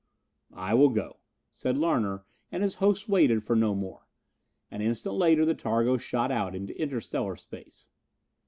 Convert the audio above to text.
"I will go," said Larner, and his hosts waited for no more. An instant later the targo shot out into interstellar space.